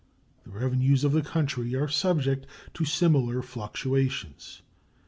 The revenues of the country are subject to similar fluctuations.